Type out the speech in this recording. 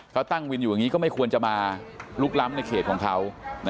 เขาตั้งวินอยู่อย่างนี้ก็ไม่ควรจะมาลุกล้ำในเขตของเขา